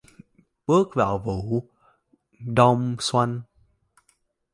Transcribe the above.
bước vào vụ đông xuân